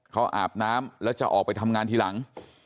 เขาอาบน้ำแล้วจะออกไปทำงานทีหลัง